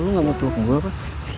lu gak mau peluk gue apa